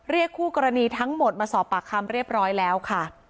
คู่กรณีทั้งหมดมาสอบปากคำเรียบร้อยแล้วค่ะ